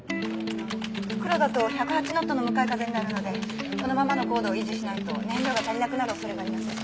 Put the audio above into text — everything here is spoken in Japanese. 復路だと１０８ノットの向かい風になるのでこのままの高度を維持しないと燃料が足りなくなる恐れがあります。